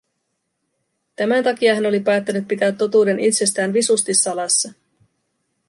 Tämän takia hän oli päättänyt pitää totuuden itsestään visusti salassa.